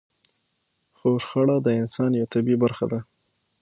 خو شخړه د انسان يوه طبيعي برخه ده.